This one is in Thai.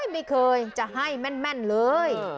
ไม่เคยจะให้แม่นเลย